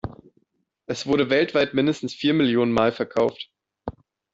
Es wurde weltweit mindestens vier Millionen Mal verkauft.